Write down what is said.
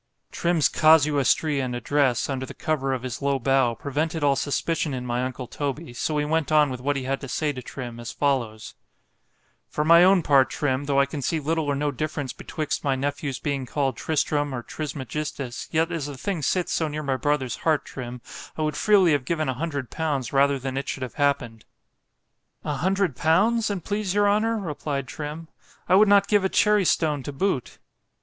——Trim's casuistry and address, under the cover of his low bow, prevented all suspicion in my uncle Toby, so he went on with what he had to say to Trim as follows: ——For my own part, Trim, though I can see little or no difference betwixt my nephew's being called Tristram or Trismegistus—yet as the thing sits so near my brother's heart, Trim——I would freely have given a hundred pounds rather than it should have happened.——A hundred pounds, an' please your honour! replied Trim,—I would not give a cherry stone to boot.